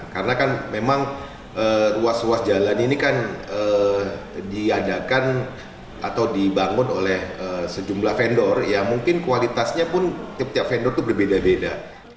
karena kan memang ruas ruas jalan ini kan diadakan atau dibangun oleh sejumlah vendor ya mungkin kualitasnya pun tiap tiap vendor itu berbeda beda